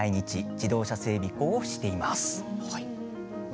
自動車整備工をしています。